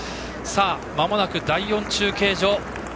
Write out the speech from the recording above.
まもなく第４中継所。